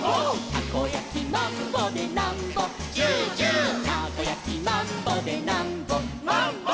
「たこやきマンボでなんぼチューチュー」「たこやきマンボでなんぼマンボ」